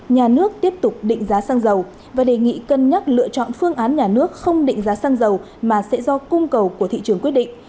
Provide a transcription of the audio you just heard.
nhà nước tiếp tục định giá xăng dầu và đề nghị cân nhắc lựa chọn phương án nhà nước không định giá xăng dầu mà sẽ do cung cầu của thị trường quyết định